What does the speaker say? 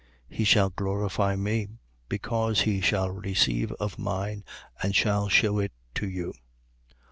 He shall glorify me: because he shall receive of mine and shall shew it to you.